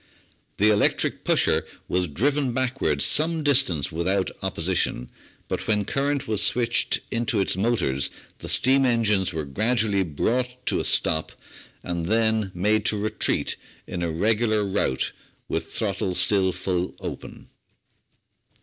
The electric pusher was driven backwards some distance without opposition, but when current was switched into its motors the steam engines were grad ually brought to a stop and then made to retreat in a regular rout, with throttle still full open.